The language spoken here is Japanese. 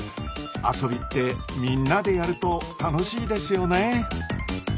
遊びってみんなでやると楽しいですよね！